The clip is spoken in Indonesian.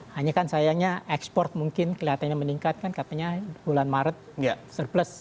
hanya kan sayangnya ekspor mungkin kelihatannya meningkat kan katanya bulan maret surplus